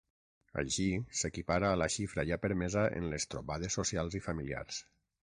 Així, s’equipara a la xifra ja permesa en les trobades socials i familiars.